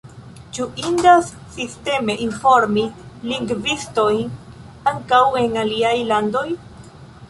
Ĉu indas sisteme informi lingvistojn ankaŭ en aliaj landoj?